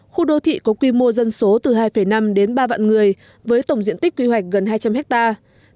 khu đô thị có quy mô dân số từ hai năm đến ba vạn người với tổng diện tích quy hoạch gần hai trăm linh hectare